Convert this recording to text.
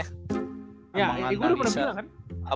iya gua udah pernah bilang kan